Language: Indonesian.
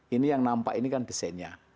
ini yang nampak ini kan desainnya